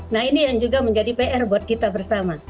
nah ini yang juga menjadi pr buat kita bersama